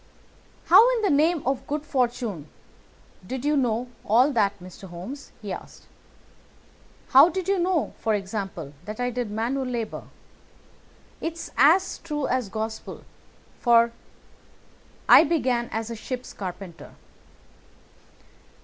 "How, in the name of good fortune, did you know all that, Mr. Holmes?" he asked. "How did you know, for example, that I did manual labour. It's as true as gospel, for I began as a ship's carpenter."